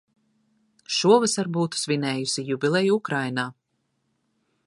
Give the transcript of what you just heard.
Šovasar būtu svinējusi jubileju Ukrainā.